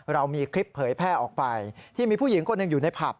เรามีคลิปเผยแพร่ออกไปที่มีผู้หญิงคนหนึ่งอยู่ในผับ